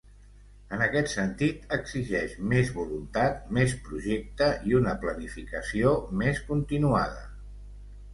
En aquest sentit, exigeix més voluntat, més projecte i una planificació més continuada.